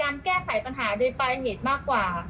มันเหมือนการแก้ไขปัญหาโดยภายเหตุมากกว่า